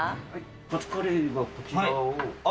カツカレーは、こちらを。